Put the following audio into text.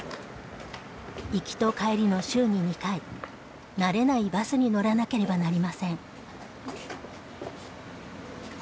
行きと帰りの週に２回慣れないバスに乗らなければなりません。